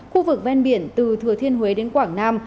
khu vực ven biển từ thừa thiên huế đến quảng nam